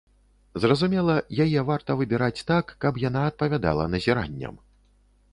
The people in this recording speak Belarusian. Зразумела, яе варта выбіраць так, каб яна адпавядала назіранням.